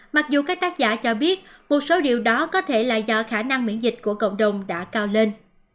mặc dù các tác giả cho biết một số điều đó có thể là do khả năng miễn dịch của cộng đồng đã cao lên